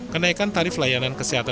kenaikan tarif layanan kesehatan